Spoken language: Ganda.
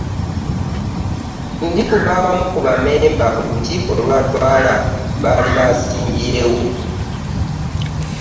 Nti kuba abamu ku bammemba ku lukiiko lwatwala baali beesimbyewo.